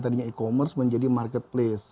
tadinya e commerce menjadi marketplace